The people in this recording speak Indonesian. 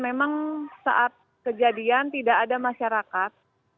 memang saat kejadian tidak ada masyarakat